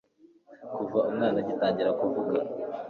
kuva umwana agitangira kuvuga